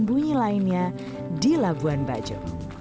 dan bunyi lainnya di labuan bajo